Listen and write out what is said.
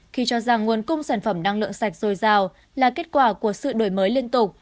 khi cho rằng nguồn cung sản phẩm năng lượng sạch dồi dào là kết quả của sự đổi mới liên tục